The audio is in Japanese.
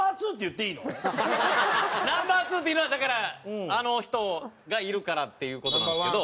Ｎｏ．２っていうのはだからあの人がいるからっていう事なんですけど。